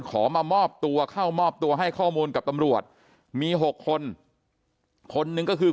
ขอมามอบตัวเข้ามอบตัวให้ข้อมูลกับตำรวจมี๖คนคนหนึ่งก็คือ